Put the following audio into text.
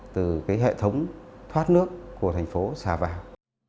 từ hệ thống thoát nước của thành phố xả vào